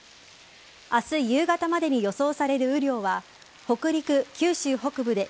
明日夕方までに予想される雨量は北陸、九州北部で１００ｍｍ